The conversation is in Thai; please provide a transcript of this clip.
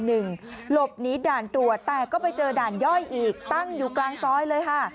หลบหนีด่านตรวจแต่ก็ไปเจอด่านย่อยอีกตั้งอยู่กลางซอยเลยค่ะ